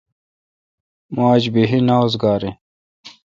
مہ آج بیہی نا اوزگار این